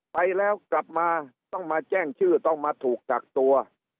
ไปแล้วกลับมาต้องมาแจ้งชื่อต้องมาถูกกักตัว